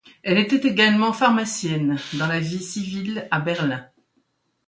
Elle était également pharmacienne dans la vie civile à Berlin.